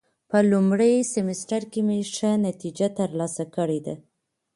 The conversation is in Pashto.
په لومړي سمستر کې مې ښه نتیجه ترلاسه کړې ده.